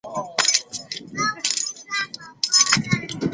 泷之泽号志站石胜线上的号志站。